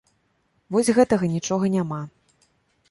Вось гэтага нічога няма.